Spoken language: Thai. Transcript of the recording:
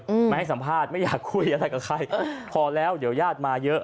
อืมไม่ให้สัมภาษณ์ไม่อยากคุยอะไรกับใครเออพอแล้วเดี๋ยวญาติมาเยอะ